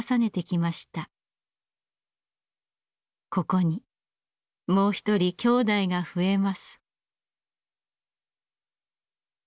ここにもう一人きょうだいが増えます。